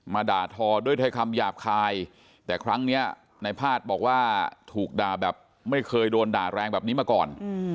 ด่าทอด้วยถ้อยคำหยาบคายแต่ครั้งนี้ในพาดบอกว่าถูกด่าแบบไม่เคยโดนด่าแรงแบบนี้มาก่อน